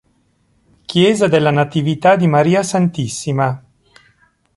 Chiesa della Natività di Maria Santissima